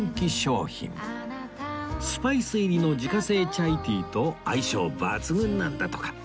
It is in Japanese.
スパイス入りの自家製チャイティーと相性抜群なんだとか